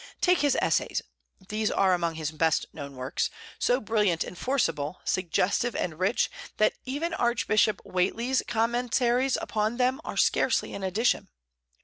Take his Essays, these are among his best known works, so brilliant and forcible, suggestive and rich, that even Archbishop Whately's commentaries upon them are scarcely an addition.